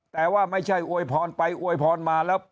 แต่ว่าไม่ใช่อวยพรไปอวยพรมาแล้ว